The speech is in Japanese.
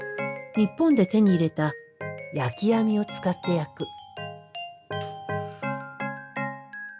日本で手に入れた焼き網を使って焼く。